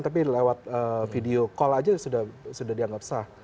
tapi lewat video call aja sudah dianggap sah